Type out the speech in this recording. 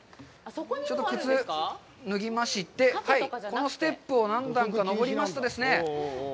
ちょっと靴を脱ぎまして、このステップを何段か上りますとですね。